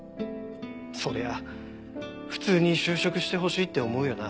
そりゃ普通に就職してほしいって思うよな。